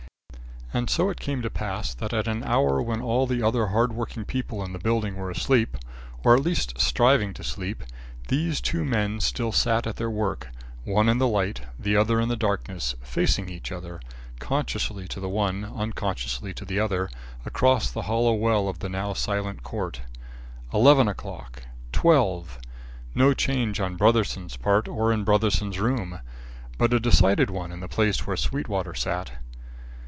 And so it came to pass that at an hour when all the other hard working people in the building were asleep, or at least striving to sleep, these two men still sat at their work, one in the light, the other in the darkness, facing each other, consciously to the one, unconsciously to the other, across the hollow well of the now silent court. Eleven o'clock! Twelve! No change on Brotherson's part or in Brotherson's room; but a decided one in the place where Sweetwater sat.